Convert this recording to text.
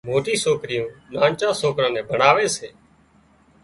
موٽِي سوڪريون نانچان نين ڀڻاوي سي